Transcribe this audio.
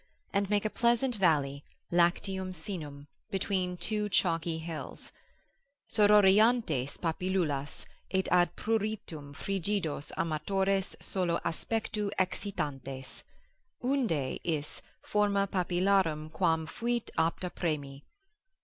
and make a pleasant valley lacteum sinum, between two chalky hills, Sororiantes papillulas, et ad pruritum frigidos amatores solo aspectu excitantes. Unde is, Forma papillarum quam fuit apta premi!